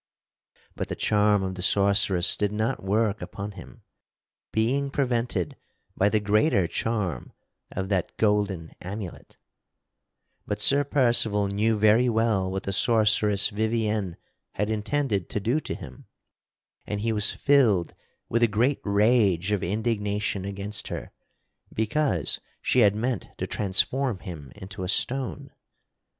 But the charm of the sorceress did not work upon him, being prevented by the greater charm of that golden amulet. [Sidenote: Sir Percival draweth sword upon the Lady Vivien] But Sir Percival knew very well what the sorceress Vivien had intended to do to him, and he was filled with a great rage of indignation against her because she had meant to transform him into a stone.